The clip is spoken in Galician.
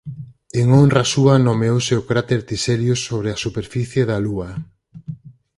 En honra súa nomeouse o cráter Tiselius sobre a superficie da Lúa.